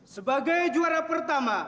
sebagai juara pertama